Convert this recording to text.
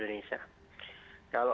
maka ini diperlukan kolaborasi